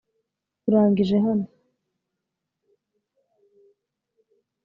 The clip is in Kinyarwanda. urangije hano